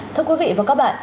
thưa quý vị và các bạn